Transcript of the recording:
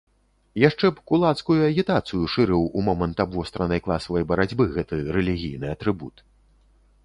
Яшчэ б кулацкую агітацыю шырыў у момант абвостранай класавай барацьбы гэты рэлігійны атрыбут.